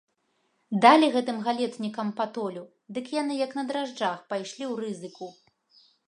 Далі гэтым галетнікам патолю, дык яны, як на дражджах, пайшлі ў рызыку.